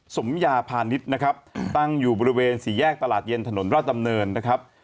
สมยาพาณิชย์นะครับตั้งอยู่บริเวณสี่แยกตลาดเย็นถนนราชดำเนินนะครับ